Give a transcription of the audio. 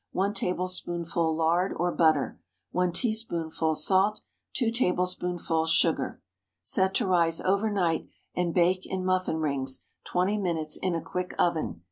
1 tablespoonful lard or butter. 1 teaspoonful salt. 2 tablespoonfuls sugar. Set to rise over night, and bake in muffin rings twenty minutes in a quick oven.